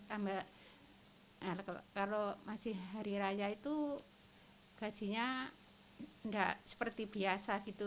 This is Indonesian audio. kalau masih hari raya itu gajinya nggak seperti biasa gitu